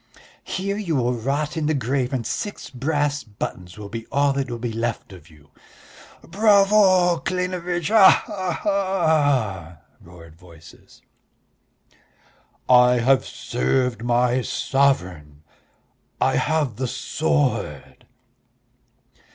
"Here you will rot in the grave and six brass buttons will be all that will be left of you." "Bravo, Klinevitch, ha ha ha!" roared voices. "I have served my sovereign.... I have the sword...."